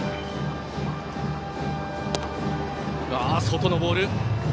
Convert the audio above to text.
外のボール。